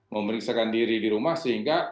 memeriksakan diri di rumah sehingga